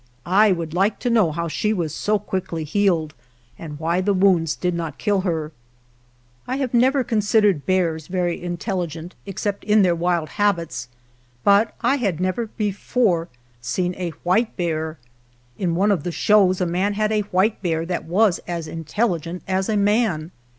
I would like to know how she was so quickly healed, and why the wounds did not kill her. I have never considered bears very intelli gent, except in their wild habits, but I had never before seen a white bear. In one of the shows a man had a white bear that was as intelligent as a man.